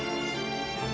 bapak tidak boleh